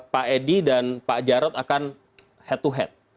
pak edi dan pak jarod akan head to head